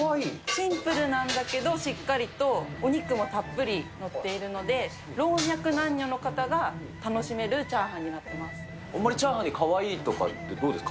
シンプルなんだけど、しっかりとお肉もたっぷり載っているので、老若男女の方が楽しめあんまりチャーハンにかわいいとかって、どうですか？